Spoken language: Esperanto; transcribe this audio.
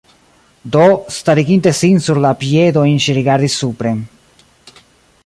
Do, stariginte sin sur la piedojn ŝi rigardis supren.